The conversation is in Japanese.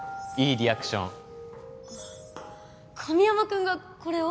リアクション神山くんがこれを？